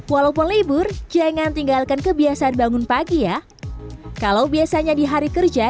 walaupun libur jangan tinggalkan kebiasaan bangun pagi ya kalau biasanya di hari kerja